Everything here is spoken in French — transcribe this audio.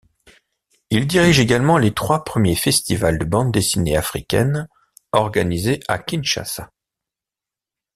Il dirige également les trois premiers festivals de bande dessinée africaine organisés à Kinshasa.